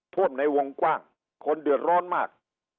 ท่วมในวงกว้างคนเดือดร้อนมาก